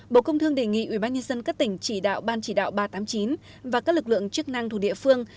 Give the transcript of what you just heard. bộ công thương đề nghị ubnd các tỉnh chỉ đạo ban chỉ đạo ba trăm tám mươi chín và các lực lượng chức năng thuộc địa phương